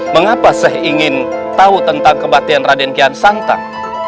mengapa saya ingin tahu tentang kematian raden kian santang